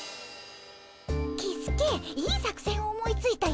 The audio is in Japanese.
キスケいい作戦を思いついたよ。